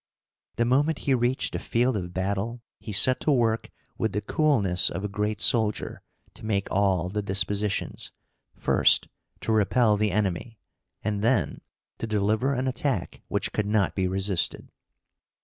The moment he reached the field of battle, he set to work with the coolness of a great soldier to make all the dispositions, first, to repel the enemy, and then to deliver an attack which could not be resisted.